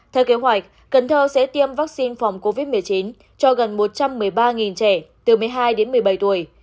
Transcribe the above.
theo kế hoạch cần thơ sẽ tiêm vaccine phòng covid một mươi chín cho gần một trăm một mươi ba trẻ từ một mươi hai đến một mươi bảy tuổi